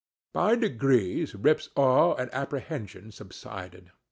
By degrees Rip's awe and apprehension subsided.